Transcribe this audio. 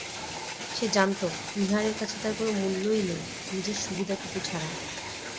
সে জানত নীহারের কাছে তার কোনো মূল্যই নেই, নিজের সুবিধাটুকু ছাড়া।